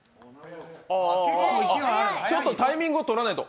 ちょっとタイミングをとらないと。